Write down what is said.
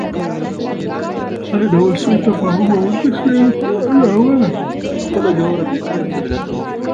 د هر ډول سوء تفاهم او اندېښنې له امله خپله ژوره پښیماني څرګندوم.